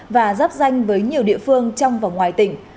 và giáp danh với nhiều địa phương trong và ngoài tỉnh